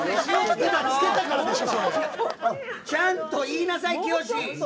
ちゃんと言いなさい！